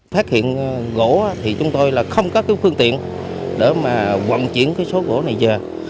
phát hiện gỗ thì chúng tôi là không có cái phương tiện để mà vận chuyển cái số gỗ này về